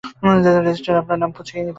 রেজিস্টারে আপনার নামঃ পুচিকানু।